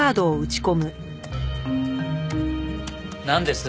なんです？